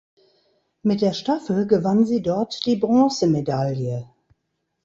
Mit der Staffel gewann sie dort die Bronzemedaille.